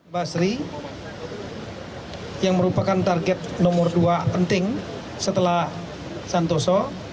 basri yang merupakan target nomor dua penting setelah santoso